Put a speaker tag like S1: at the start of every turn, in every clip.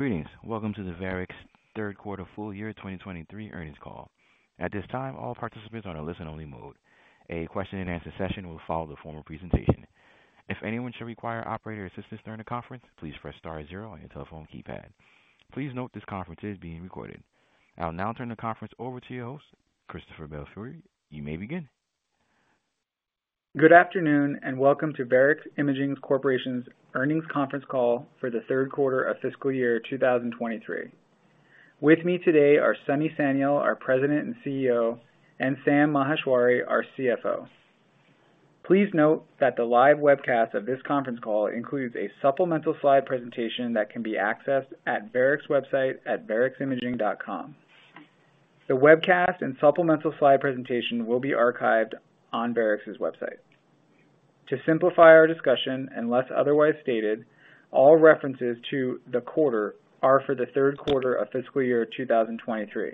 S1: Greetings. Welcome to the Varex third quarter full year 2023 earnings call. At this time, all participants are on a listen-only mode. A question-and-answer session will follow the formal presentation. If anyone should require operator assistance during the conference, please press star zero on your telephone keypad. Please note this conference is being recorded. I'll now turn the conference over to your host, Christopher Belfiore. You may begin.
S2: Good afternoon, welcome to Varex Imaging Corporation's earnings conference call for the third quarter of fiscal year 2023. With me today are Sunny Sanyal, our President and CEO, and Sam Maheshwari, our CFO. Please note that the live webcast of this conference call includes a supplemental slide presentation that can be accessed at Varex website at vareximaging.com. The webcast and supplemental slide presentation will be archived on Varex's website. To simplify our discussion, unless otherwise stated, all references to the quarter are for the third quarter of fiscal year 2023.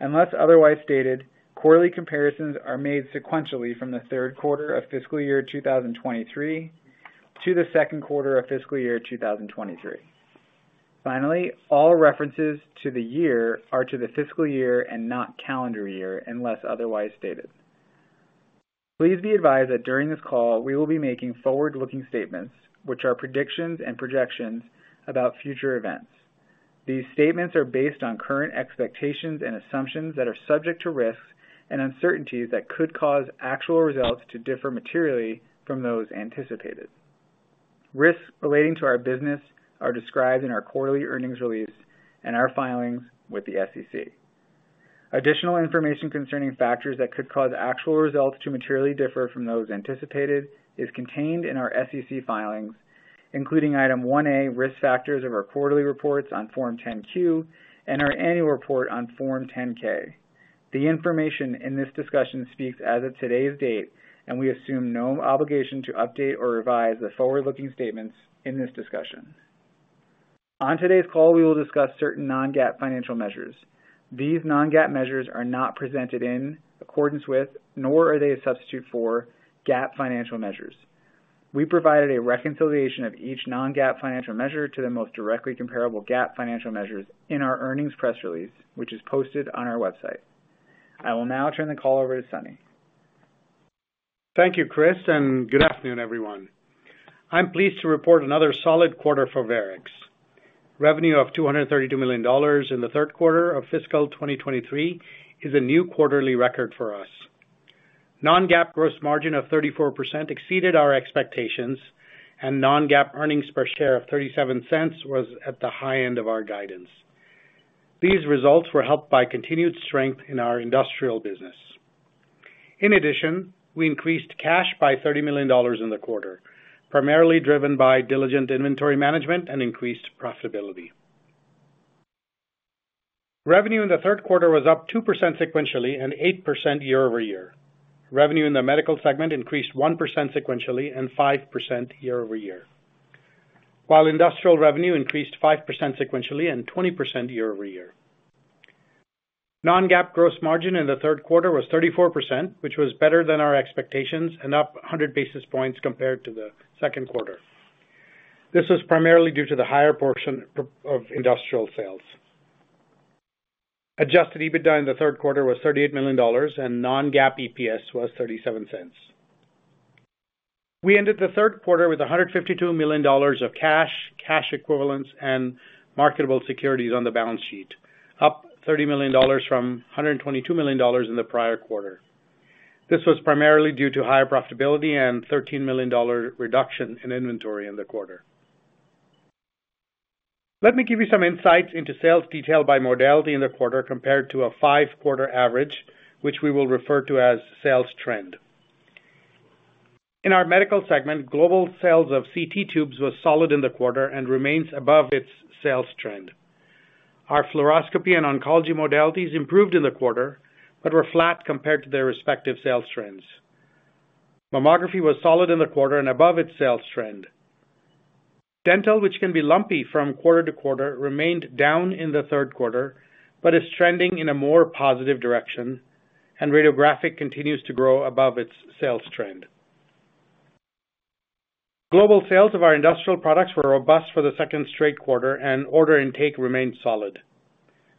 S2: Unless otherwise stated, quarterly comparisons are made sequentially from the third quarter of fiscal year 2023 to the second quarter of fiscal year 2023. All references to the year are to the fiscal year and not calendar year, unless otherwise stated. Please be advised that during this call, we will be making forward-looking statements, which are predictions and projections about future events. These statements are based on current expectations and assumptions that are subject to risks and uncertainties that could cause actual results to differ materially from those anticipated. Risks relating to our business are described in our quarterly earnings release and our filings with the SEC. Additional information concerning factors that could cause actual results to materially differ from those anticipated is contained in our SEC filings, including Item 1A, Risk Factors of our quarterly reports on Form 10-Q and our annual report on Form 10-K. The information in this discussion speaks as of today's date, and we assume no obligation to update or revise the forward-looking statements in this discussion. On today's call, we will discuss certain non-GAAP financial measures. These non-GAAP measures are not presented in accordance with, nor are they a substitute for GAAP financial measures. We provided a reconciliation of each non-GAAP financial measure to the most directly comparable GAAP financial measures in our earnings press release, which is posted on our website. I will now turn the call over to Sunny.
S3: Thank you, Chris, and good afternoon, everyone. I'm pleased to report another solid quarter for Varex. Revenue of $232 million in the third quarter of fiscal 2023 is a new quarterly record for us. Non-GAAP gross margin of 34% exceeded our expectations, and Non-GAAP earnings per share of $0.37 was at the high end of our guidance. These results were helped by continued strength in our industrial business. In addition, we increased cash by $30 million in the quarter, primarily driven by diligent inventory management and increased profitability. Revenue in the third quarter was up 2% sequentially and 8% year-over-year. Revenue in the medical segment increased 1% sequentially and 5% year-over-year, while industrial revenue increased 5% sequentially and 20% year-over-year. Non-GAAP gross margin in the third quarter was 34%, which was better than our expectations and up 100 basis points compared to the second quarter. This was primarily due to the higher portion of industrial sales. Adjusted EBITDA in the third quarter was $38 million, and non-GAAP EPS was $0.37. We ended the third quarter with $152 million of cash, cash equivalents, and marketable securities on the balance sheet, up $30 million from $122 million in the prior quarter. This was primarily due to higher profitability and $13 million reduction in inventory in the quarter. Let me give you some insights into sales detail by modality in the quarter compared to a five-quarter average, which we will refer to as sales trend. In our medical segment, global sales of CT tubes was solid in the quarter and remains above its sales trend. Our fluoroscopy and oncology modalities improved in the quarter, but were flat compared to their respective sales trends. Mammography was solid in the quarter and above its sales trend. Dental, which can be lumpy from quarter to quarter, remained down in the third quarter, but is trending in a more positive direction, and radiographic continues to grow above its sales trend. Global sales of our industrial products were robust for the second straight quarter, and order intake remained solid.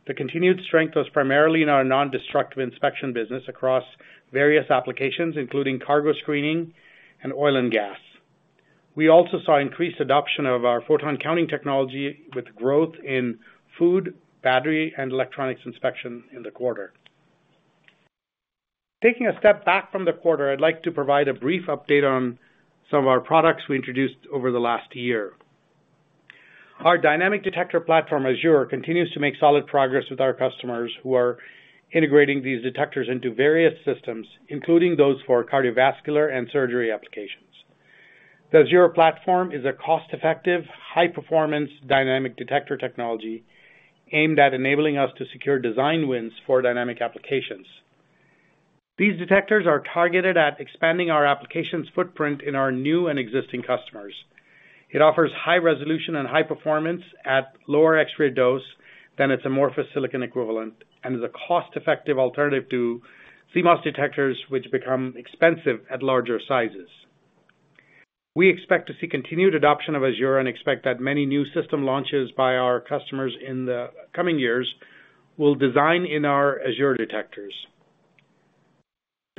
S3: The continued strength was primarily in our nondestructive inspection business across various applications, including cargo screening and oil and gas. We also saw increased adoption of our photon counting technology with growth in food, battery, and electronics inspection in the quarter. Taking a step back from the quarter, I'd like to provide a brief update on some of our products we introduced over the last year. Our dynamic detector platform, AZURE, continues to make solid progress with our customers who are integrating these detectors into various systems, including those for cardiovascular and surgery applications. The AZURE platform is a cost-effective, high-performance dynamic detector technology aimed at enabling us to secure design wins for dynamic applications. These detectors are targeted at expanding our applications footprint in our new and existing customers. It offers high resolution and high performance at lower X-ray dose-... than its amorphous silicon equivalent and is a cost-effective alternative to CMOS detectors, which become expensive at larger sizes. We expect to see continued adoption of AZURE and expect that many new system launches by our customers in the coming years will design in our AZURE detectors.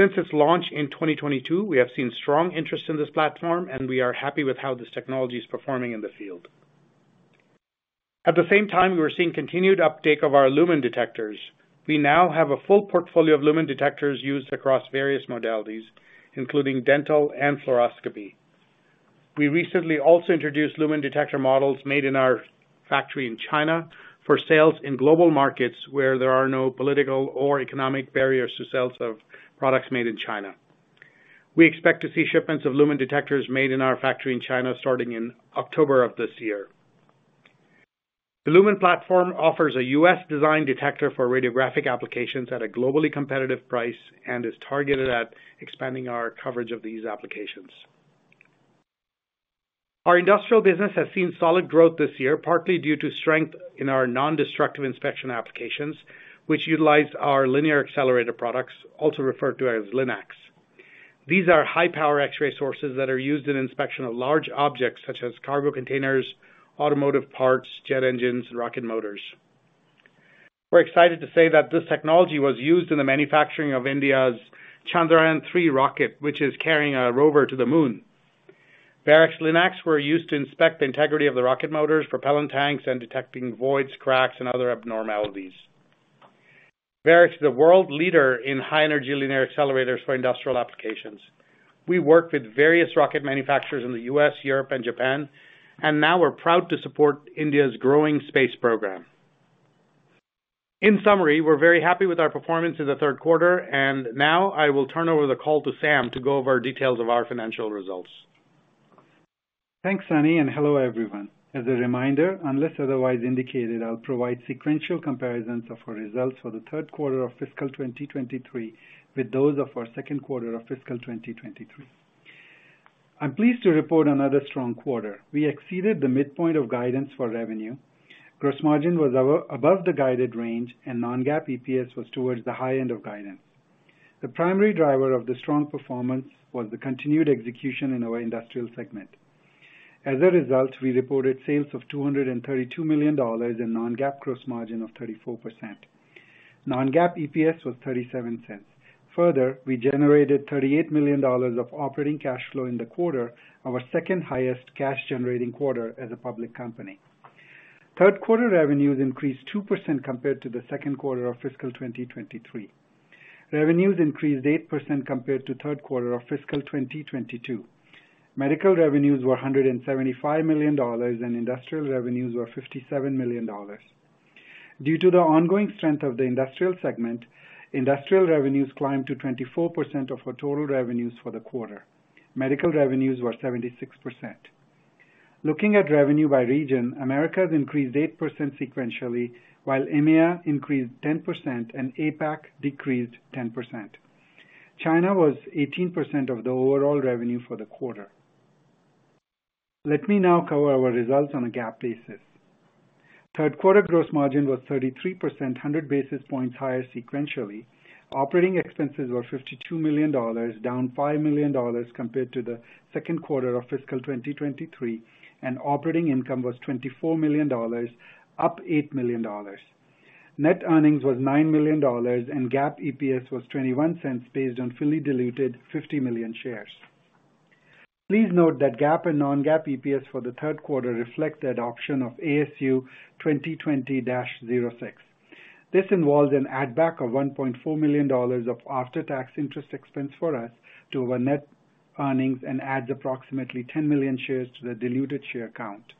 S3: Since its launch in 2022, we have seen strong interest in this platform, and we are happy with how this technology is performing in the field. At the same time, we are seeing continued uptake of our LUMEN detectors. We now have a full portfolio of LUMEN detectors used across various modalities, including dental and fluoroscopy. We recently also introduced LUMEN detector models made in our factory in China for sales in global markets where there are no political or economic barriers to sales of products Made in China. We expect to see shipments of LUMEN detectors made in our factory in China starting in October of this year. The LUMEN platform offers a U.S.-designed detector for radiographic applications at a globally competitive price and is targeted at expanding our coverage of these applications. Our industrial business has seen solid growth this year, partly due to strength in our nondestructive inspection applications, which utilize our linear accelerator products, also referred to as Linacs. These are high-power X-ray sources that are used in inspection of large objects such as cargo containers, automotive parts, jet engines, and rocket motors. We're excited to say that this technology was used in the manufacturing of India's Chandrayaan-3 rocket, which is carrying a rover to the moon. Varex Linacs were used to inspect the integrity of the rocket motors, propellant tanks, and detecting voids, cracks, and other abnormalities. Varex is the world leader in high-energy linear accelerators for industrial applications. Now we're proud to support India's growing space program. In summary, we're very happy with our performance in the third quarter, and now I will turn over the call to Sam to go over details of our financial results.
S4: Thanks, Sunny, and hello, everyone. As a reminder, unless otherwise indicated, I'll provide sequential comparisons of our results for the third quarter of fiscal 2023 with those of our second quarter of fiscal 2023. I'm pleased to report another strong quarter. We exceeded the midpoint of guidance for revenue. Gross margin was above the guided range, and Non-GAAP EPS was towards the high end of guidance. The primary driver of the strong performance was the continued execution in our industrial segment. As a result, we reported sales of $232 million and non-GAAP gross margin of 34%. Non-GAAP EPS was $0.37. We generated $38 million of operating cash flow in the quarter, our second-highest cash-generating quarter as a public company. Third quarter revenues increased 2% compared to the second quarter of fiscal 2023. Revenues increased 8% compared to third quarter of fiscal 2022. Medical revenues were $175 million, and industrial revenues were $57 million. Due to the ongoing strength of the industrial segment, industrial revenues climbed to 24% of our total revenues for the quarter. Medical revenues were 76%. Looking at revenue by region, Americas increased 8% sequentially, while EMEA increased 10% and APAC decreased 10%. China was 18% of the overall revenue for the quarter. Let me now cover our results on a GAAP basis. Third quarter gross margin was 33%, 100 basis points higher sequentially. Operating expenses were $52 million, down $5 million compared to the second quarter of fiscal 2023, and operating income was $24 million, up $8 million. Net earnings was $9 million, and GAAP EPS was $0.21, based on fully diluted 50 million shares. Please note that GAAP and non-GAAP EPS for the third quarter reflect the adoption of ASU 2020-06. This involves an add back of $1.4 million of after-tax interest expense for us to our net earnings and adds approximately 10 million shares to the diluted share count.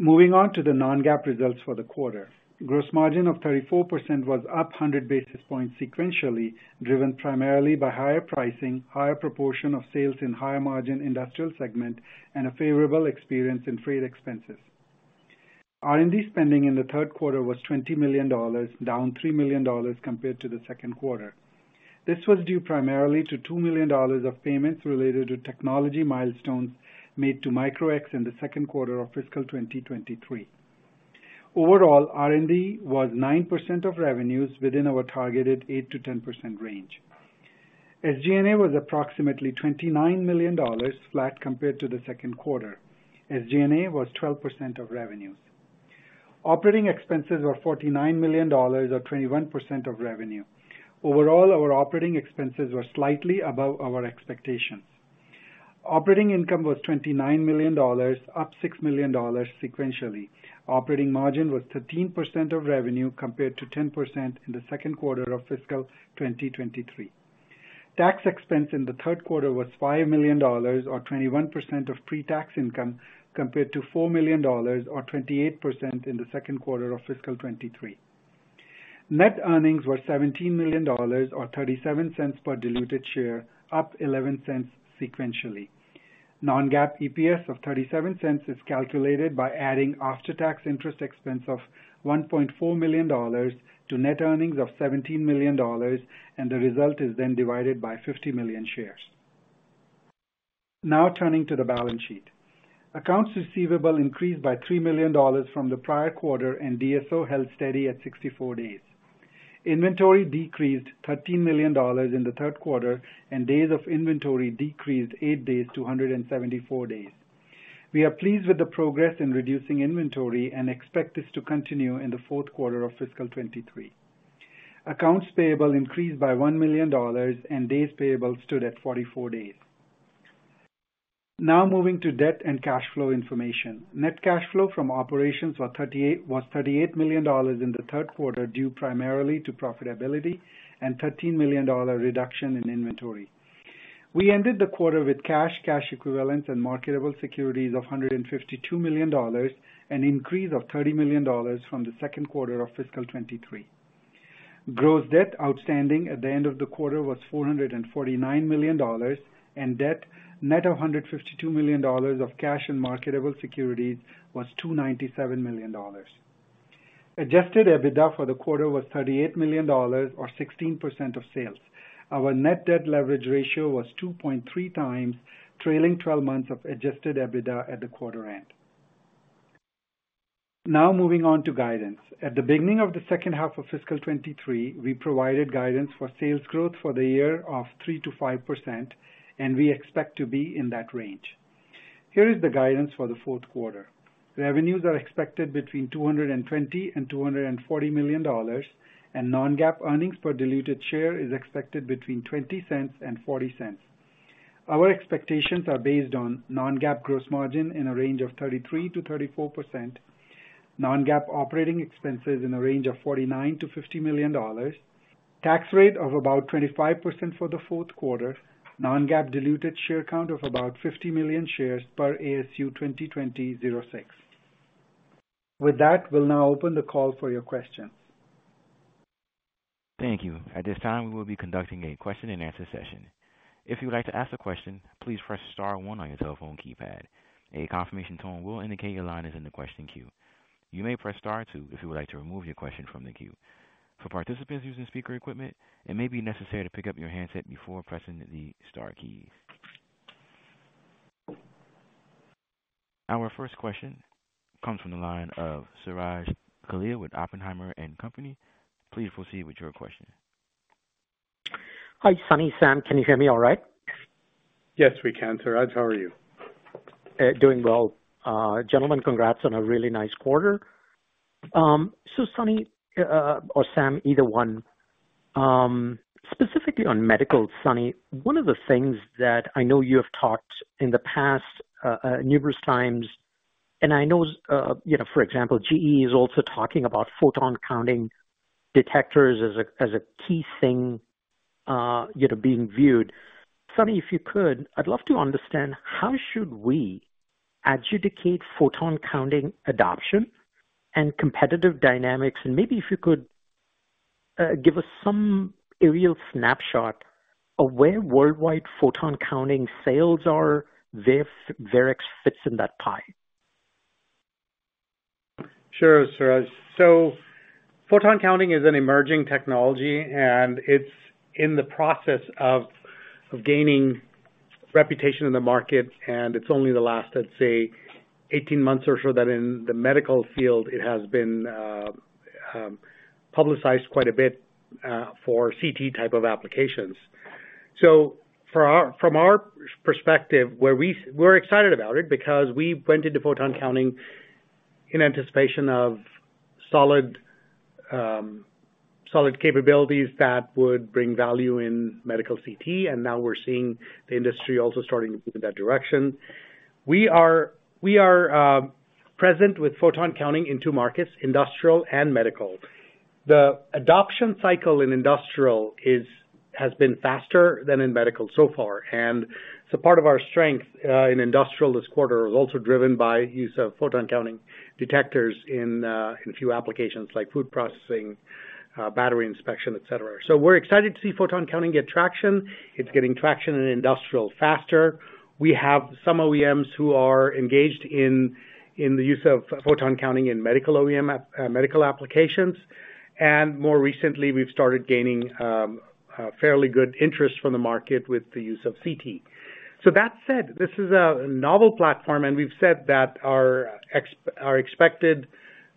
S4: Moving on to the non-GAAP results for the quarter. Gross margin of 34% was up 100 basis points sequentially, driven primarily by higher pricing, higher proportion of sales in higher-margin industrial segment, and a favorable experience in freight expenses. R&D spending in the third quarter was $20 million, down $3 million compared to the second quarter. This was due primarily to $2 million of payments related to technology milestones made to Micro-X in the second quarter of fiscal 2023. Overall, R&D was 9% of revenues within our targeted 8%-10% range. SG&A was approximately $29 million, flat compared to the second quarter. SG&A was 12% of revenues. Operating expenses were $49 million, or 21% of revenue. Overall, our operating expenses were slightly above our expectations. Operating income was $29 million, up $6 million sequentially. Operating margin was 13% of revenue, compared to 10% in the second quarter of fiscal 2023. Tax expense in the third quarter was $5 million, or 21% of pre-tax income, compared to $4 million, or 28% in the second quarter of fiscal 2023. Net earnings were $17 million, or $0.37 per diluted share, up $0.11 sequentially. Non-GAAP EPS of $0.37 is calculated by adding after-tax interest expense of $1.4 million to net earnings of $17 million, and the result is then divided by 50 million shares. Turning to the balance sheet. Accounts receivable increased by $3 million from the prior quarter, and DSO held steady at 64 days. Inventory decreased $13 million in the third quarter, and days of inventory decreased eight days to 174 days. We are pleased with the progress in reducing inventory and expect this to continue in the fourth quarter of fiscal 2023. Accounts payable increased by $1 million, and days payable stood at 44 days. Moving to debt and cash flow information. Net cash flow from operations was $38 million in the third quarter, due primarily to profitability and $13 million reduction in inventory. We ended the quarter with cash, cash equivalents, and marketable securities of $152 million, an increase of $30 million from the second quarter of fiscal 2023. Gross debt outstanding at the end of the quarter was $449 million, and debt, net of $152 million of cash and marketable securities, was $297 million. Adjusted EBITDA for the quarter was $38 million or 16% of sales. Our net debt leverage ratio was 2.3x, trailing 12 months of Adjusted EBITDA at the quarter end. Moving on to guidance. At the beginning of the second half of fiscal 2023, we provided guidance for sales growth for the year of 3%-5%. We expect to be in that range. Here is the guidance for the fourth quarter. Revenues are expected between $220 million and $240 million. Non-GAAP earnings per diluted share is expected between $0.20 and $0.40. Our expectations are based on non-GAAP gross margin in a range of 33%-34%, non-GAAP operating expenses in a range of $49 million-$50 million, tax rate of about 25% for the fourth quarter, non-GAAP diluted share count of about 50 million shares per ASU 2020-06. With that, we'll now open the call for your questions.
S1: Thank you. At this time, we will be conducting a question-and-answer session. If you would like to ask a question, please press star one on your telephone keypad. A confirmation tone will indicate your line is in the question queue. You may press star two if you would like to remove your question from the queue. For participants using speaker equipment, it may be necessary to pick up your handset before pressing the star keys. Our first question comes from the line of Suraj Kalia with Oppenheimer & Company. Please proceed with your question.
S5: Hi, Sunny, Sam, can you hear me all right?
S3: Yes, we can, Suraj. How are you?
S5: Doing well. Gentlemen, congrats on a really nice quarter. Sunny, or Sam, either one. Specifically on medical, Sunny, one of the things that I know you have talked in the past, numerous times, and I know, you know, for example, GE HealthCare is also talking about photon counting detectors as a, as a key thing, you know, being viewed. Sunny, if you could, I'd love to understand, how should we adjudicate photon counting adoption and competitive dynamics? Maybe if you could, give us some real snapshot of where worldwide photon counting sales are, where Varex fits in that pie.
S3: Sure, Suraj. Photon counting is an emerging technology, and it's in the process of gaining reputation in the market, and it's only the last, let's say, 18 months or so, that in the medical field, it has been publicized quite a bit for CT type of applications. From our perspective, where we're excited about it because we went into photon counting in anticipation of solid, solid capabilities that would bring value in medical CT, and now we're seeing the industry also starting to move in that direction. We are, we are present with photon counting in two markets, industrial and medical. The adoption cycle in industrial has been faster than in medical so far. Part of our strength in industrial this quarter is also driven by use of photon counting detectors in a few applications like food processing, battery inspection, et cetera. We're excited to see photon counting get traction. It's getting traction in industrial faster. We have some OEMs who are engaged in the use of photon counting in medical OEM, medical applications. More recently, we've started gaining a fairly good interest from the market with the use of CT. That said, this is a novel platform. We've said that our expected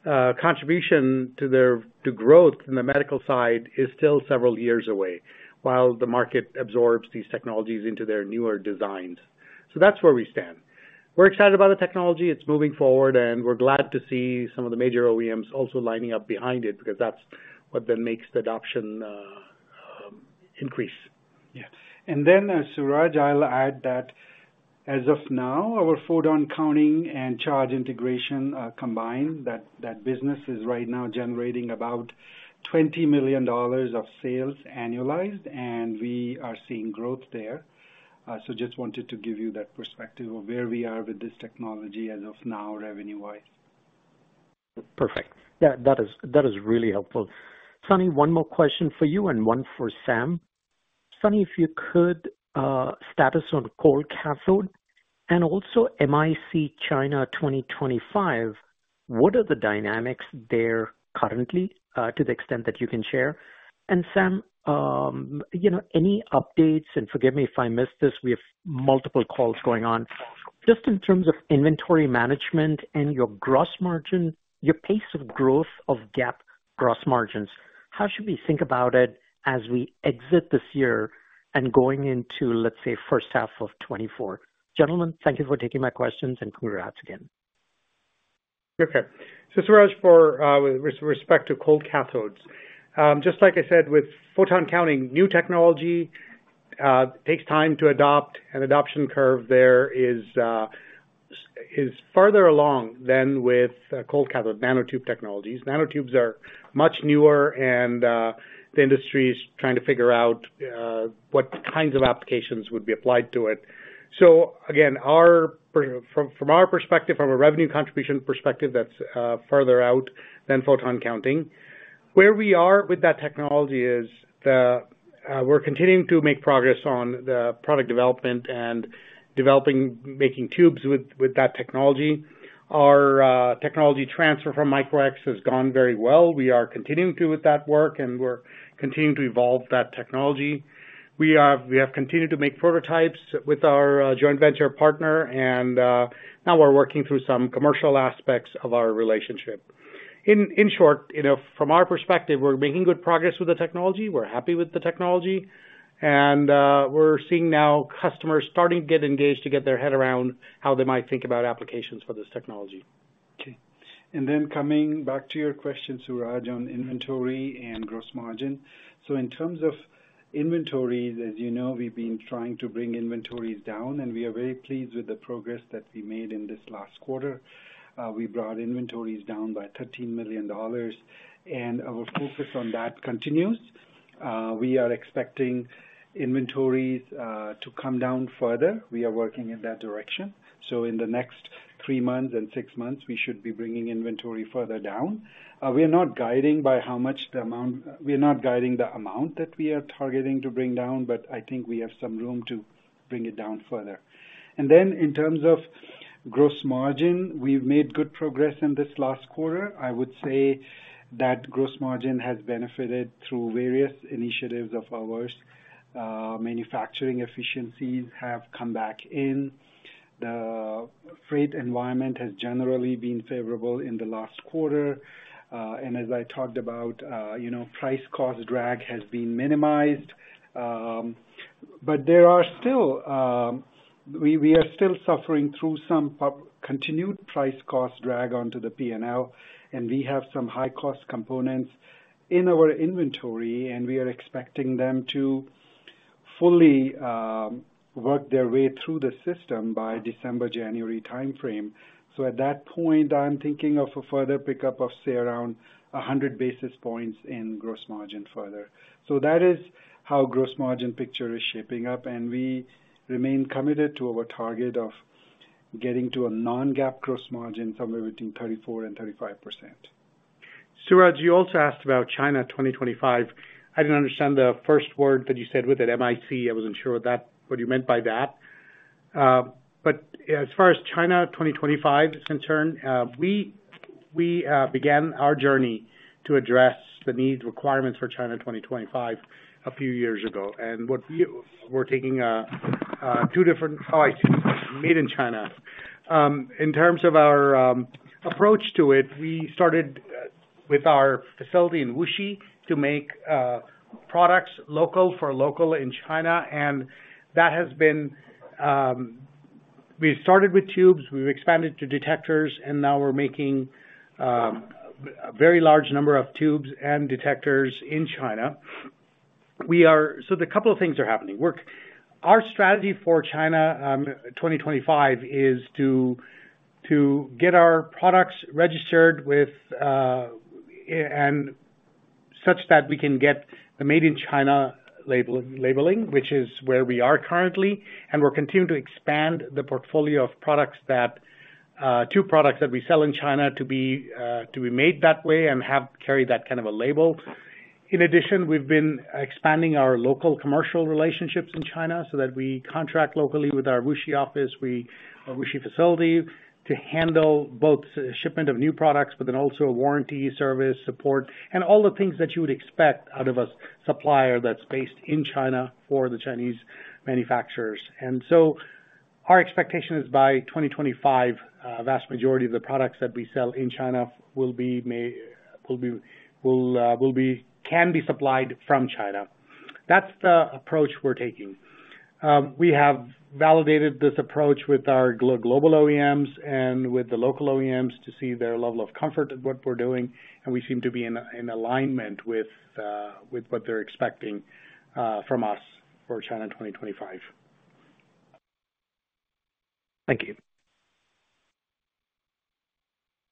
S3: contribution to the growth in the medical side is still several years away while the market absorbs these technologies into their newer designs. That's where we stand.
S4: We're excited about the technology. It's moving forward, we're glad to see some of the major OEMs also lining up behind it, because that's what then makes the adoption, increase. Yeah. Suraj, I'll add that as of now, our photon counting and charge integration combined, that, that business is right now generating about $20 million of sales annualized, and we are seeing growth there. Just wanted to give you that perspective of where we are with this technology as of now, revenue-wise.
S5: Perfect. Yeah, that is, that is really helpful. Sunny Sanyal, one more question for you and one for Sam Maheshwari. Sunny Sanyal, if you could, status on cold cathode?... Also MIC China 2025, what are the dynamics there currently, to the extent that you can share? Sam Maheshwari, you know, any updates, and forgive me if I missed this, we have multiple calls going on. Just in terms of inventory management and your gross margin, your pace of growth of GAAP gross margins, how should we think about it as we exit this year and going into, let's say, first half of 2024? Gentlemen, thank you for taking my questions, and congrats again.
S3: Okay. Suraj, for with respect to cold cathodes. Just like I said, with photon counting, new technology takes time to adopt. An adoption curve there is farther along than with cold cathode nanotube technologies. Nanotubes are much newer and the industry is trying to figure out what kinds of applications would be applied to it. Again, our, from our perspective, from a revenue contribution perspective, that's farther out than photon counting. Where we are with that technology is the, we're continuing to make progress on the product development and developing, making tubes with that technology. Our technology transfer from Micro-X has gone very well. We are continuing to with that work, and we're continuing to evolve that technology. We have, we have continued to make prototypes with our joint venture partner, and now we're working through some commercial aspects of our relationship. In, in short, you know, from our perspective, we're making good progress with the technology. We're happy with the technology, and we're seeing now customers starting to get engaged to get their head around how they might think about applications for this technology.
S4: Okay. Then coming back to your question, Suraj, on inventory and gross margin. In terms of inventory, as you know, we've been trying to bring inventories down, and we are very pleased with the progress that we made in this last quarter. We brought inventories down by $13 million, and our focus on that continues. We are expecting inventories to come down further. We are working in that direction. In the next three months and six months, we should be bringing inventory further down. We are not guiding by how much. We are not guiding the amount that we are targeting to bring down, but I think we have some room to bring it down further. Then in terms of gross margin, we've made good progress in this last quarter. I would say that gross margin has benefited through various initiatives of ours. Manufacturing efficiencies have come back in. The freight environment has generally been favorable in the last quarter. As I talked about, you know, price cost drag has been minimized. There are still, we are still suffering through some continued price cost drag onto the P and L, and we have some high cost components in our inventory, and we are expecting them to fully work their way through the system by December-January timeframe. At that point, I'm thinking of a further pickup of, say, around 100 basis points in gross margin further. That is how gross margin picture is shaping up, and we remain committed to our target of getting to a non-GAAP gross margin somewhere between 34% and 35%.
S3: Suraj, you also asked about China 2025. I didn't understand the first word that you said with it, MIC. I wasn't sure what that, what you meant by that. As far as China 2025 is concerned, we, we, began our journey to address the needs, requirements for China 2025 a few years ago, and what we were taking, two different- oh, I see, Made in China. In terms of our, approach to it, we started, with our facility in Wuxi to make, products local, for local in China, and that has been... We started with tubes, we've expanded to detectors, and now we're making, a very large number of tubes and detectors in China. We are-- the couple of things are happening. Our strategy for China, 2025, is to, to get our products registered with, and such that we can get the Made in China labeling, which is where we are currently, and we're continuing to expand the portfolio of products that, two products that we sell in China to be, to be made that way and have carried that kind of a label. In addition, we've been expanding our local commercial relationships in China, so that we contract locally with our Wuxi office, our Wuxi facility, to handle both shipment of new products, but then also warranty, service, support, and all the things that you would expect out of a supplier that's based in China for the Chinese manufacturers. Our expectation is by 2025, vast majority of the products that we sell in China will be made, can be supplied from China. That's the approach we're taking. We have validated this approach with our global OEMs and with the local OEMs to see their level of comfort in what we're doing, and we seem to be in, in alignment with what they're expecting from us for China 2025.
S5: Thank you.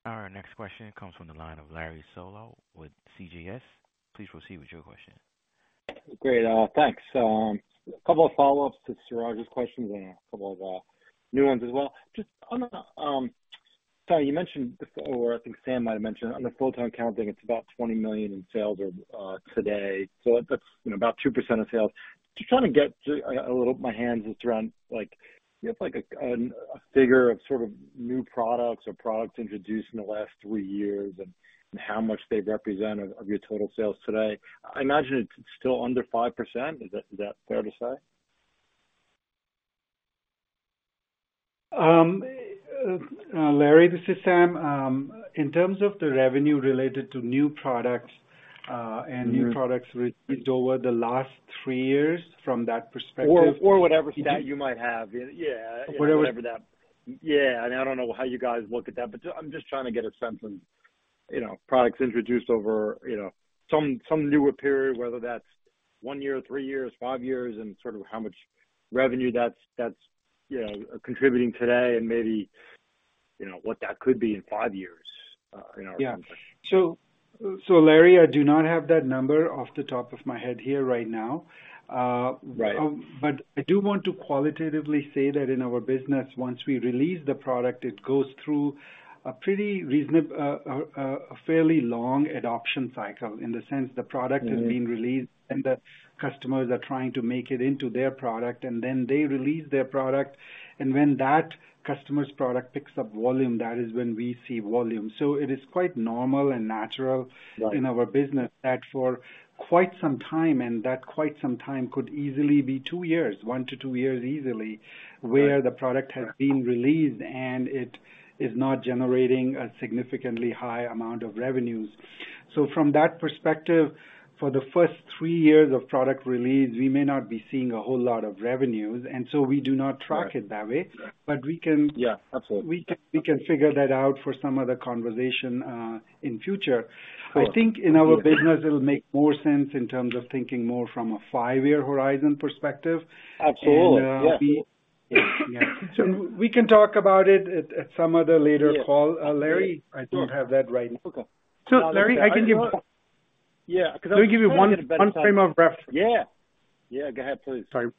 S1: Our next question comes from the line of Larry Solow with CJS. Please proceed with your question.
S6: Great, thanks. A couple of follow-ups to Suraj's questions and a couple of new ones as well. You mentioned before, I think Sam might have mentioned, on the photon counting, it's about $20 million in sales today, so that's, you know, about 2% of sales. Just trying to get a little my hands around, like, you have like a figure of sort of new products or products introduced in the last three years and how much they represent of your total sales today. I imagine it's still under 5%. Is that, is that fair to say?
S4: Larry, this is Sam. In terms of the revenue related to new products.
S6: Mm-hmm.
S4: new products, which is over the last three years from that perspective.
S6: Or, or whatever that you might have. Yeah.
S4: Whatever-
S6: Whatever that. Yeah, I don't know how you guys look at that, but I'm just trying to get a sense of, you know, products introduced over, you know, some, some newer period, whether that's one year, three years, five years, and sort of how much revenue that's, that's, you know, contributing today and maybe, you know, what that could be in five years, you know?
S4: Yeah. Larry, I do not have that number off the top of my head here right now.
S6: Right.
S4: I do want to qualitatively say that in our business, once we release the product, it goes through a pretty reasonable, a fairly long adoption cycle, in the sense the product-
S6: Mm-hmm
S4: is being released, and the customers are trying to make it into their product, and then they release their product. When that customer's product picks up volume, that is when we see volume. It is quite normal and natural.
S6: Got it.
S4: In our business that for quite some time, and that quite some time could easily be two years, one-two years, easily.
S6: Right...
S4: where the product has been released, and it is not generating a significantly high amount of revenues. From that perspective, for the first three years of product release, we may not be seeing a whole lot of revenues, and so we do not track it that way.
S6: Right.
S4: we
S6: Yeah, absolutely.
S4: We can, we can figure that out for some other conversation, in future.
S6: Cool.
S4: I think in our business, it'll make more sense in terms of thinking more from a five-year horizon perspective.
S6: Absolutely. Yes.
S4: We, yeah. We can talk about it at, at some other later call, Larry Solow.
S6: Yeah.
S4: I don't have that right now.
S6: Okay.
S3: Larry, I can give-
S6: Yeah.
S3: Let me give you one, one frame of reference.
S6: Yeah. Yeah, go ahead, please.
S3: Sorry.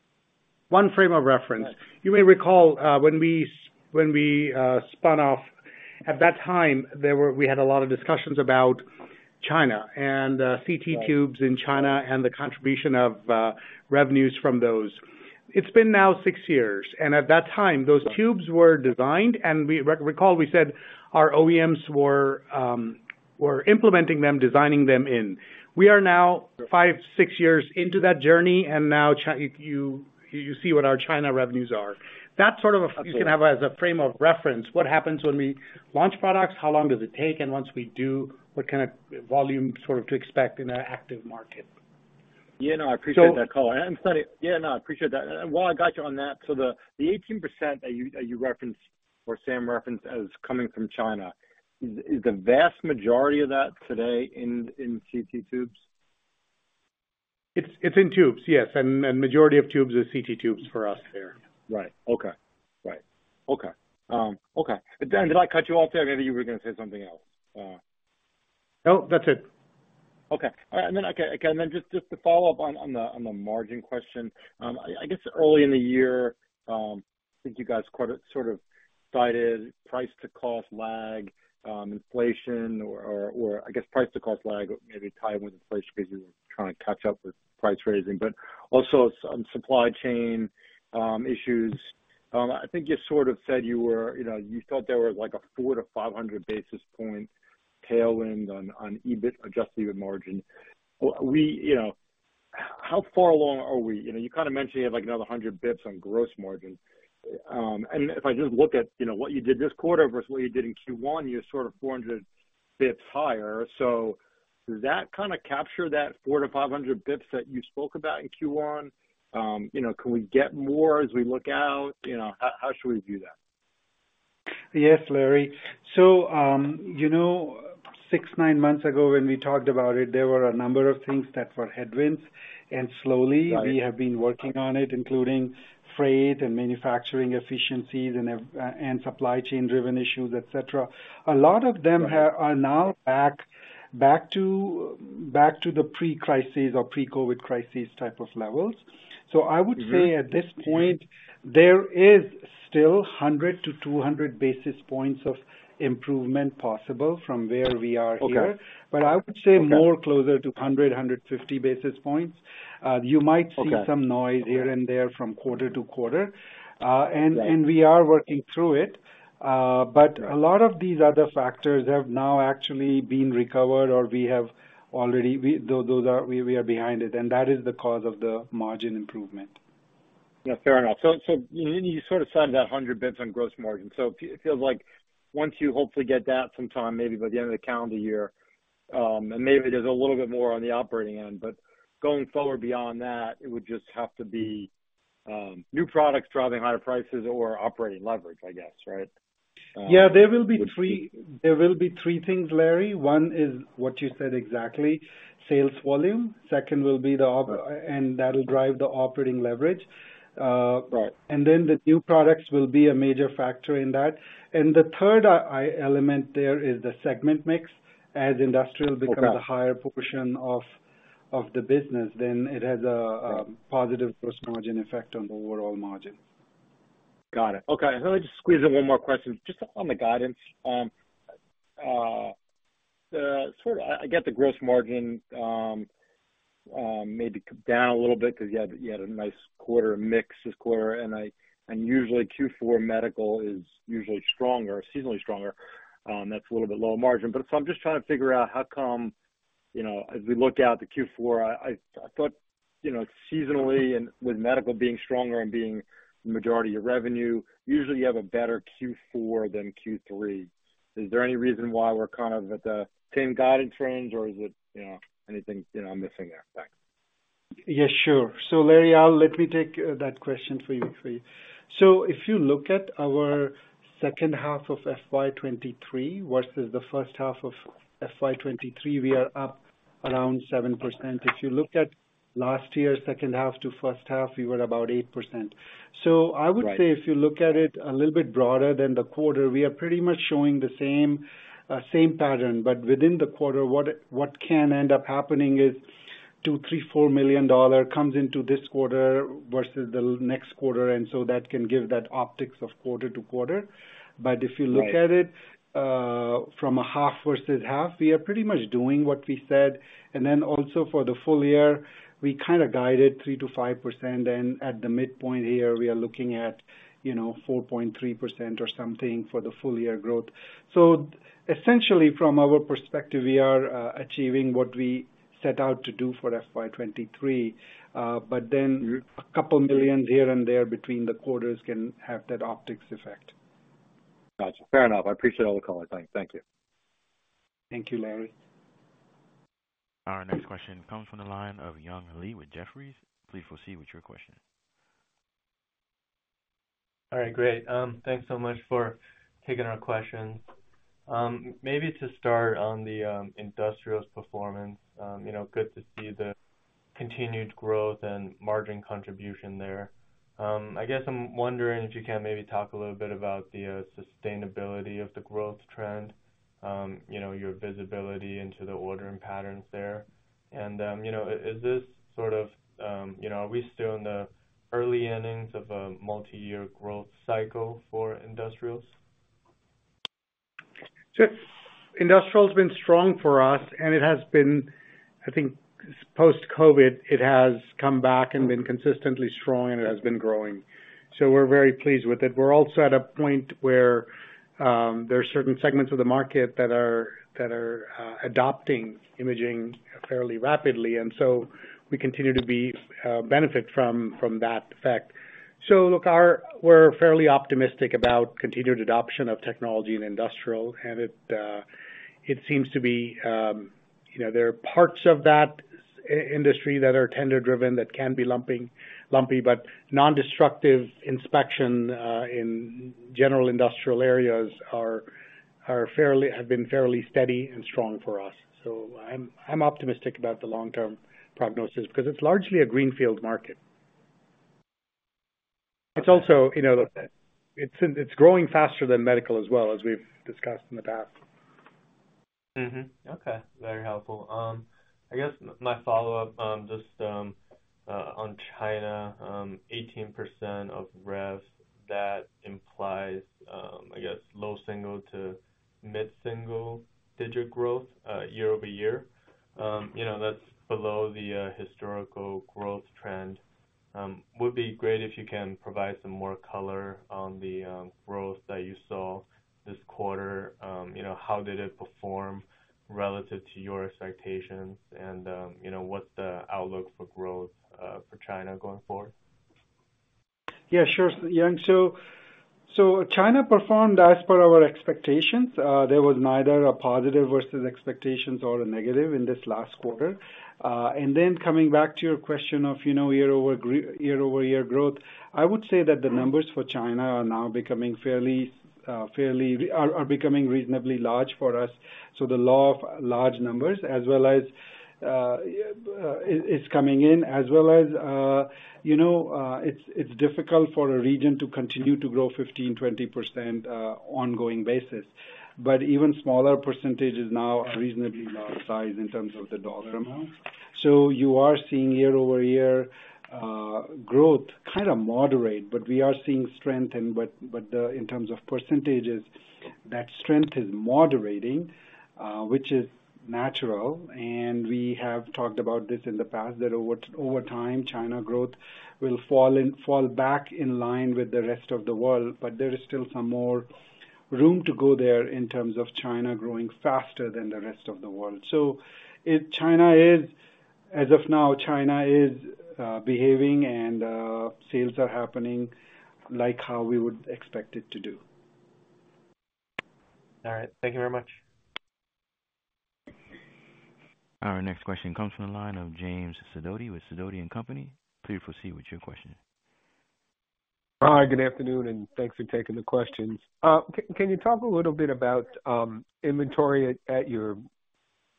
S3: One frame of reference.
S6: Right.
S3: You may recall, when we, when we, spun off, at that time, we had a lot of discussions about China and, CT tubes...
S6: Right
S3: -in China and the contribution of revenues from those. It's been now six years, and at that time, those tubes were designed, and we Recall, we said our OEMs were implementing them, designing them in. We are now five, six years into that journey, and now you, you see what our China revenues are.
S6: Absolutely.
S3: That's sort of you can have as a frame of reference, what happens when we launch products, how long does it take, and once we do, what kind of volume sort of to expect in an active market.
S6: You know, I appreciate that, Colin.
S3: So-
S6: Sunny. Yeah, no, I appreciate that. While I got you on that, the 18% that you referenced or Sam referenced as coming from China, is, is the vast majority of that today in, in CT tubes?
S3: It's in tubes, yes, and majority of tubes are CT tubes for us there.
S6: Right. Okay. Right. Okay. Okay. Did I cut you off there? Maybe you were gonna say something else.
S3: No, that's it.
S6: Okay. All right. Just to follow up on the margin question. I guess early in the year, I think you guys quite sort of cited price to cost lag, inflation, or price to cost lag, maybe tied with inflation because you were trying to catch up with price raising, but also some supply chain issues. I think you sort of said you were, you know, you thought there were like a 400-500 basis points tailwind on EBIT, Adjusted EBIT margin. You know, how far along are we? You know, you kind of mentioned you have like another 100 bips on gross margin. If I just look at, you know, what you did this quarter versus what you did in Q1, you're sort of 400 bips higher. Does that kind of capture that 400-500 bips that you spoke about in Q1? You know, can we get more as we look out? You know, how, how should we view that?
S4: Yes, Larry. you know, six, nine months ago, when we talked about it, there were a number of things that were headwinds, and slowly...
S6: Got it....
S4: we have been working on it, including freight and manufacturing efficiencies and supply chain-driven issues, et cetera. A lot of them.
S6: Right
S4: are now back, back to, back to the pre-crisis or pre-COVID crisis type of levels.
S6: Great.
S4: I would say at this point, there is still 100-200 basis points of improvement possible from where we are here.
S6: Okay.
S4: I would say.
S6: Okay...
S4: more closer to 100, 150 basis points. you might see-
S6: Okay...
S4: some noise here and there from quarter to quarter. and-
S6: Right...
S4: and we are working through it.
S6: Right
S4: A lot of these other factors have now actually been recovered or we have already, we are behind it, and that is the cause of the margin improvement.
S6: Yeah, fair enough. You sort of said that 100 bips on gross margin. It feels like once you hopefully get that sometime, maybe by the end of the calendar year, and maybe there's a little bit more on the operating end, but going forward beyond that, it would just have to be new products driving higher prices or operating leverage, I guess, right?
S4: Yeah, there will be three things, Larry. One is what you said exactly, sales volume. Second, will be the.
S6: Right.
S4: That will drive the operating leverage.
S6: Right.
S4: Then the new products will be a major factor in that. The third element there is the segment mix, as industrial-
S6: Okay...
S4: becomes a higher portion of the business, then it has a, a positive gross margin effect on the overall margin.
S6: Got it. Okay, let me just squeeze in one more question. Just on the guidance, I get the gross margin, maybe down a little bit because you had, you had a nice quarter mix this quarter, and usually Q4 medical is usually stronger, seasonally stronger, that's a little bit lower margin. I'm just trying to figure out how come, you know, as we look out to Q4, I, I thought, you know, seasonally and with medical being stronger and being the majority of revenue, usually you have a better Q4 than Q3. Is there any reason why we're kind of at the same guidance range, or is it, you know, anything, you know, I'm missing there? Thanks.
S4: Yeah, sure. Larry Solow, I'll let me take that question for you, for you. If you look at our second half of FY 23 versus the first half of FY 23, we are up around 7%. If you look at last year, second half to first half, we were about 8%.
S6: Right.
S4: I would say if you look at it a little bit broader than the quarter, we are pretty much showing the same, same pattern, but within the quarter, what can end up happening is $2 million, $3 million, $4 million comes into this quarter versus the next quarter, and so that can give that optics of quarter to quarter.
S6: Right.
S4: If you look at it, from a half versus half, we are pretty much doing what we said. Also for the full year, we kinda guided 3%-5%, and at the midpoint here, we are looking at, you know, 4.3% or something for the full year growth. Essentially, from our perspective, we are achieving what we set out to do for FY 2023.
S6: Mm-hmm...
S4: $ a couple millions here and there between the quarters can have that optics effect.
S6: Got you. Fair enough. I appreciate all the color. Thank you.
S4: Thank you, Larry.
S1: Our next question comes from the line of Young Li with Jefferies. Please proceed with your question.
S7: All right, great. Thanks so much for taking our questions. Maybe to start on the industrials performance, you know, good to see the continued growth and margin contribution there. I guess I'm wondering if you can maybe talk a little bit about the sustainability of the growth trend, you know, your visibility into the ordering patterns there. You know, is this sort of, you know, are we still in the early innings of a multi-year growth cycle for industrials?
S3: Sure. Industrial has been strong for us, and it has been, I think, post-COVID, it has come back and been consistently strong and it has been growing. We're very pleased with it. We're also at a point where, there are certain segments of the market that are, that are, adopting imaging fairly rapidly, and so we continue to be, benefit from, from that effect. Look, we're fairly optimistic about continued adoption of technology in industrial, and it, it seems to be, you know, there are parts of that industry that are tender-driven, that can be lumpy, but nondestructive inspection, in general industrial areas are, are fairly, have been fairly steady and strong for us. I'm, I'm optimistic about the long-term prognosis because it's largely a greenfield market. It's also, you know, it's, it's growing faster than medical as well as we've discussed in the past.
S7: Mm-hmm. Okay, very helpful. I guess my follow-up, just on China, 18% of rev, that implies, I guess, low single- to mid-single-digit growth year-over-year. You know, that's below the historical growth trend. Would be great if you can provide some more color on the growth that you saw this quarter, you know, how did it perform relative to your expectations and, you know, what's the outlook for growth for China going forward?
S4: Yeah, sure, Young. China performed as per our expectations. There was neither a positive versus expectations or a negative in this last quarter. And then coming back to your question of, you know, year-over-year growth, I would say that the numbers for China are now becoming fairly, fairly becoming reasonably large for us. The law of large numbers as well as coming in as well as, you know, it's difficult for a region to continue to grow 15%-20% ongoing basis, but even smaller percentages now are reasonably large size in terms of the dollar amount. You are seeing year-over-year growth kind of moderate, but we are seeing strength and but, but, in terms of percentages, that strength is moderating, which is natural, and we have talked about this in the past, that over, over time, China growth will fall in-- fall back in line with the rest of the world, but there is still some more room to go there in terms of China growing faster than the rest of the world. It-- China is, as of now, China is behaving and sales are happening like how we would expect it to do.
S7: All right. Thank you very much.
S1: Our next question comes from the line of James Sidoti with Sidoti & Company. Please proceed with your question.
S8: Hi, good afternoon, and thanks for taking the questions. Can you talk a little bit about inventory at your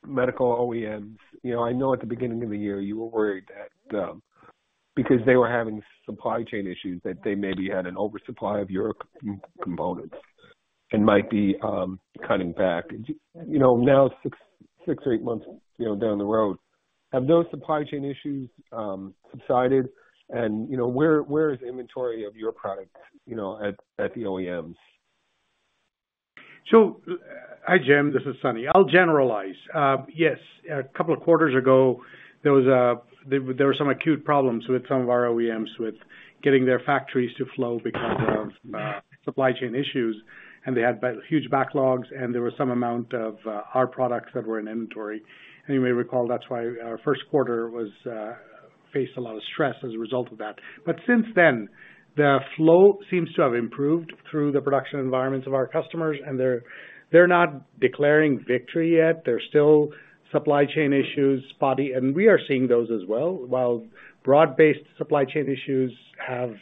S8: medical OEMs? You know, I know at the beginning of the year, you were worried that-... because they were having supply chain issues, that they maybe had an oversupply of your components and might be cutting back. You know, now six, six-eight months, you know, down the road, have those supply chain issues subsided? You know, where, where is inventory of your product, you know, at, at the OEMs?
S3: Hi, Jim, this is Sunny. I'll generalize. Yes, a couple of quarters ago, there was, there, there were some acute problems with some of our OEMs, with getting their factories to flow because of supply chain issues. They had huge backlogs, and there was some amount of our products that were in inventory. You may recall, that's why our first quarter was faced a lot of stress as a result of that. Since then, the flow seems to have improved through the production environments of our customers, and they're, they're not declaring victory yet. There's still supply chain issues, spotty, and we are seeing those as well. While broad-based supply chain issues have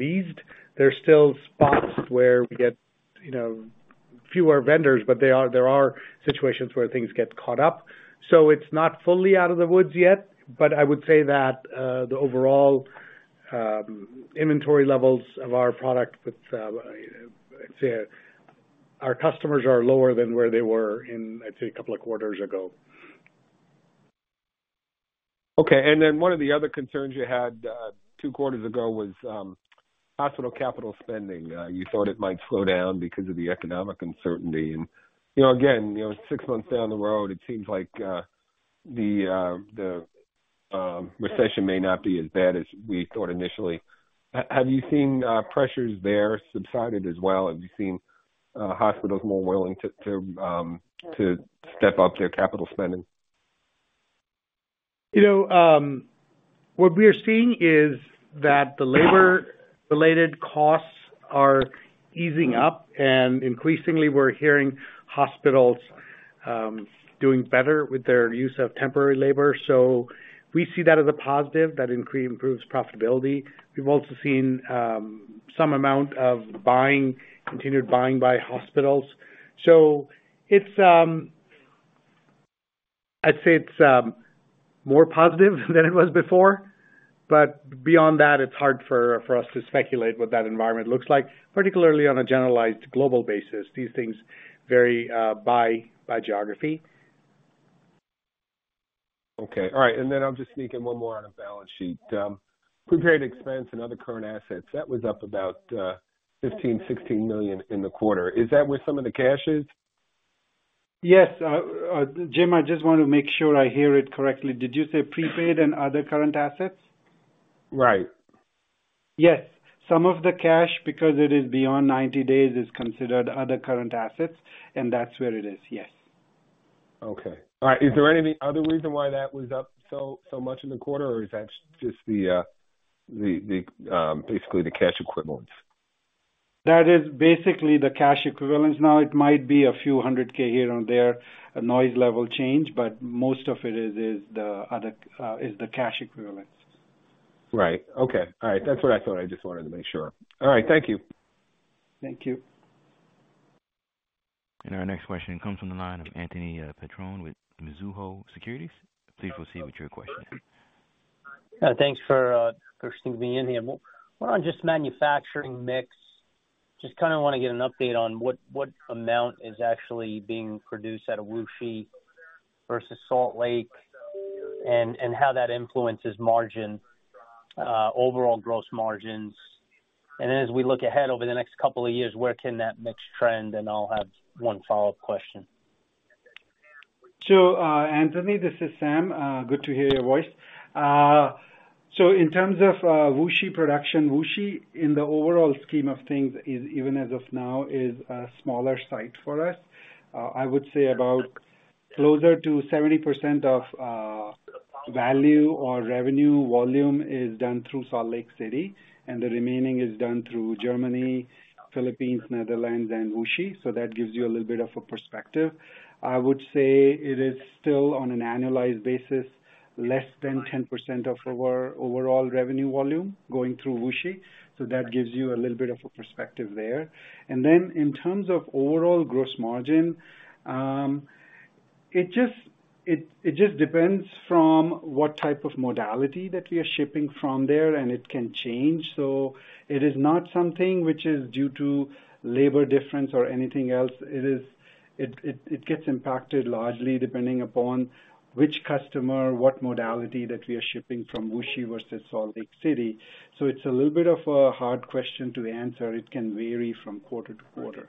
S3: eased, there's still spots where we get, you know, fewer vendors, there are situations where things get caught up. It's not fully out of the woods yet, but I would say that the overall inventory levels of our product with, I'd say, our customers are lower than where they were in, I'd say, a couple of quarters ago.
S8: Okay. Then one of the other concerns you had, two quarters ago was hospital capital spending. You thought it might slow down because of the economic uncertainty. You know, again, you know, six months down the road, it seems like the recession may not be as bad as we thought initially. Have you seen pressures there subsided as well? Have you seen hospitals more willing to, to, to step up their capital spending?
S3: You know, what we are seeing is that the labor-related costs are easing up, and increasingly we're hearing hospitals doing better with their use of temporary labor. We see that as a positive, that increase improves profitability. We've also seen, some amount of buying, continued buying by hospitals. It's, I'd say it's more positive than it was before, but beyond that, it's hard for, for us to speculate what that environment looks like, particularly on a generalized global basis. These things vary by geography.
S8: Okay. All right, I'll just sneak in one more on a balance sheet. Prepaid expense and other current assets, that was up about $15 million-$16 million in the quarter. Is that where some of the cash is?
S4: Yes. Jim, I just want to make sure I hear it correctly. Did you say prepaid and other current assets?
S8: Right.
S4: Yes. Some of the cash, because it is beyond 90 days, is considered other current assets, and that's where it is. Yes.
S8: Okay. All right. Is there any other reason why that was up so, so much in the quarter, or is that just the, the, the, basically the cash equivalents?
S4: That is basically the cash equivalents. It might be $ a few hundred K here and there, a noise level change, but most of it is, is the other, is the cash equivalents.
S8: Right. Okay. All right. That's what I thought. I just wanted to make sure. All right. Thank you.
S4: Thank you.
S1: Our next question comes from the line of Anthony Petrone with Mizuho Securities. Please proceed with your question.
S9: Thanks for listening to me in here. More on just manufacturing mix, just kind of want to get an update on what, what amount is actually being produced at Wuxi versus Salt Lake, and how that influences margin, overall gross margins. As we look ahead over the next couple of years, where can that mix trend? I'll have one follow-up question.
S4: Anthony, this is Sam. Good to hear your voice. In terms of Wuxi production, Wuxi, in the overall scheme of things, is even as of now, is a smaller site for us. I would say about closer to 70% of value or revenue volume is done through Salt Lake City, and the remaining is done through Germany, Philippines, Netherlands, and Wuxi. That gives you a little bit of a perspective. I would say it is still, on an annualized basis, less than 10% of our overall revenue volume going through Wuxi. That gives you a little bit of a perspective there. In terms of overall gross margin, it just depends from what type of modality that we are shipping from there, and it can change. It is not something which is due to labor difference or anything else. It is, it gets impacted largely depending upon which customer, what modality that we are shipping from Wuxi versus Salt Lake City. It's a little bit of a hard question to answer. It can vary from quarter to quarter.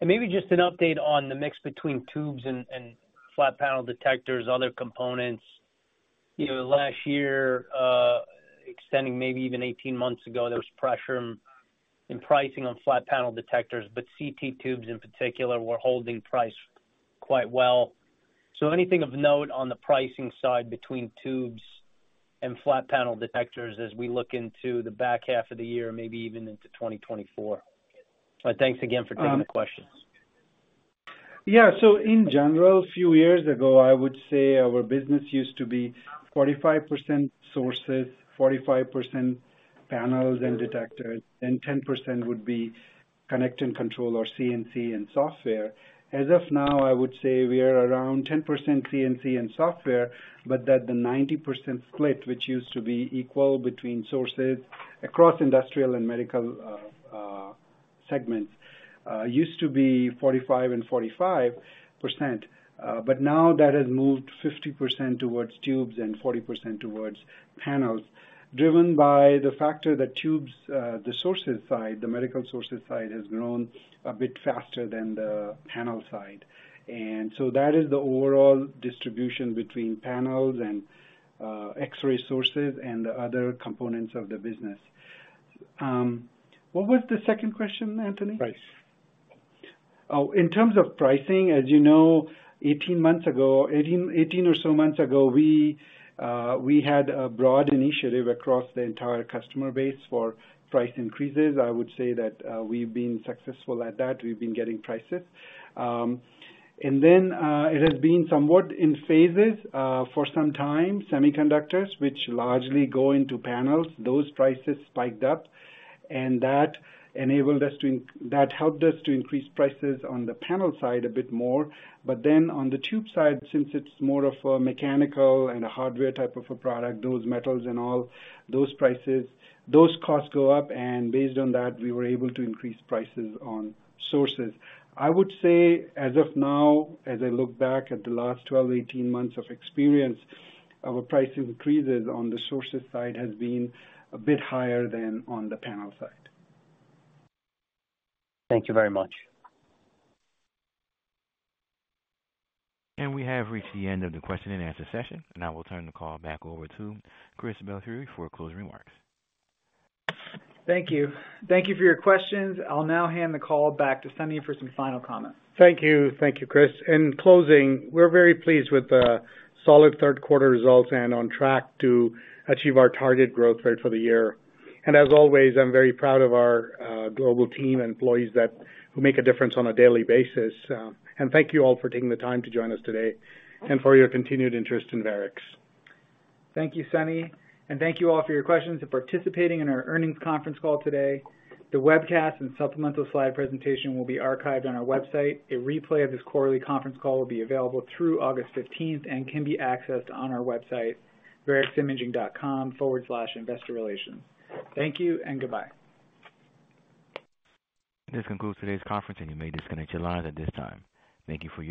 S9: Maybe just an update on the mix between tubes and flat-panel detectors, other components. You know, last year, extending maybe even 18 months ago, there was pressure in pricing on flat-panel detectors, but CT tubes in particular were holding price quite well. Anything of note on the pricing side between tubes and flat-panel detectors as we look into the back half of the year, maybe even into 2024? Thanks again for taking the questions.
S4: Yeah. In general, a few years ago, I would say our business used to be 45% sources, 45% panels and detectors, and 10% would be Connect & Control or CNC and software. As of now, I would say we are around 10% CNC and software, that the 90% split, which used to be equal between sources across industrial and medical segments, used to be 45% and 45%. Now that has moved 50% towards tubes and 40% towards panels, driven by the factor that tubes, the sources side, the medical sources side, has grown a bit faster than the panel side. That is the overall distribution between panels and X-ray sources and the other components of the business. What was the second question, Anthony?
S9: Price.
S4: Oh, in terms of pricing, as you know, 18 months ago, 18, 18 or so months ago, we, we had a broad initiative across the entire customer base for price increases. I would say that we've been successful at that. We've been getting prices. Then, it has been somewhat in phases for some time. Semiconductors, which largely go into panels, those prices spiked up, and that enabled us to that helped us to increase prices on the panel side a bit more. Then on the tube side, since it's more of a mechanical and a hardware type of a product, those metals and all those prices, those costs go up, and based on that, we were able to increase prices on sources. I would say as of now, as I look back at the last 12-18 months of experience, our price increases on the sources side has been a bit higher than on the panel side.
S9: Thank you very much.
S1: We have reached the end of the question and answer session. Now I will turn the call back over to Chris Belfiore for closing remarks.
S2: Thank you. Thank you for your questions. I'll now hand the call back to Sunny for some final comments.
S3: Thank you. Thank you, Chris. In closing, we're very pleased with the solid third quarter results and on track to achieve our target growth rate for the year. As always, I'm very proud of our global team and employees that, who make a difference on a daily basis. Thank you all for taking the time to join us today and for your continued interest in Varex.
S2: Thank you, Sunny, and thank you all for your questions and participating in our earnings conference call today. The webcast and supplemental slide presentation will be archived on our website. A replay of this quarterly conference call will be available through August 15th and can be accessed on our website, vareximaging.com/investorrelations. Thank you and goodbye.
S1: This concludes today's conference, and you may disconnect your lines at this time. Thank you for participating.